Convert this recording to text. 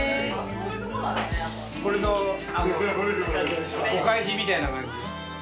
これのお返しみたいな感じ。